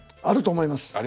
あると思います。